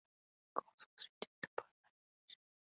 Cons was written in the Perl language.